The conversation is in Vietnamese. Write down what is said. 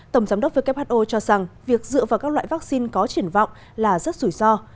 tổng giám đốc who cho rằng việc dựa vào các loại vaccine có triển vọng là rất rủi ro